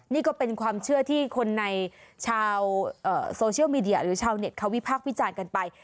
นี่ก็เป็นความเชื่อที่คนในชาวโซเชียลมีเดียหรือชาวเน็ตเขาวิพากษ์วิจารณ์กันไป